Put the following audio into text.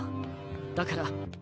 だから。